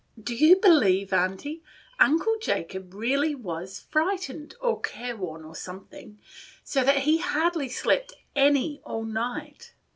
Do you believe, Aunty, Uncle Jacob really was frightened, or care worn, or something, so that he hardly slept any all night?